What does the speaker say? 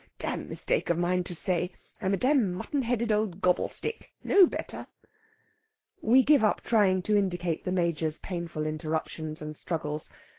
Dam mistake of mine to say! I'm a dam mutton headed old gobblestick! No better!" We give up trying to indicate the Major's painful interruptions and struggles.